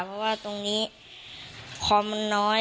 เพราะว่าตรงนี้คอมมันน้อย